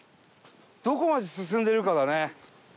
どこまで進んでるかだね。